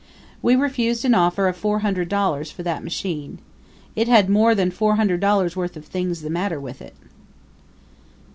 We refused an offer of four hundred dollars for that machine. It had more than four hundred dollars' worth of things the matter with it.